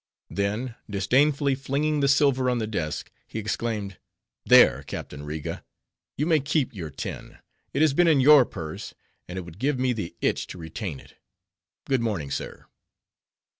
Then, disdainfully flinging the silver on the desk, he exclaimed, "There, Captain Riga, you may keep your tin! It has been in your purse, and it would give me the itch to retain it. Good morning, sir."